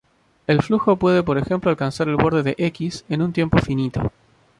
El flujo puede por ejemplo alcanzar el borde de "X" en un tiempo finito.